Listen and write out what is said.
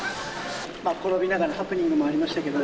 転びながらハプニングもありましたけど。